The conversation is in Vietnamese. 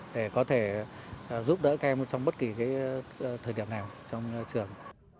để có thể giúp đỡ các em trong bất kỳ thời điểm nào trong trường